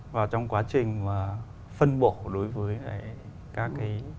và trong quá trình mà phân bổ đối với các cái